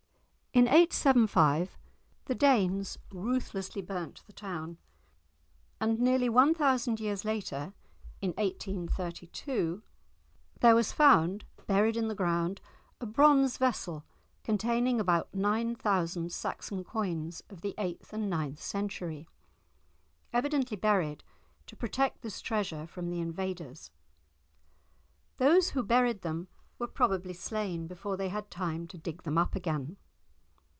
In 875 the Danes ruthlessly burnt the town; and nearly one thousand years later, in 1832, there was found buried in the ground a bronze vessel containing about nine thousand Saxon coins of the eighth and ninth century, evidently buried to protect this treasure from the invaders. Those who buried them were probably slain before they had time to dig them up again.